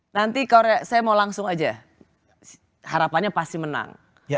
nanti korea saya mau langsung aja harapannya pasti menang